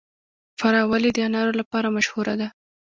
فراه ولې د انارو لپاره مشهوره ده؟